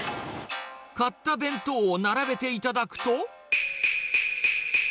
買った弁当を並べていただくと。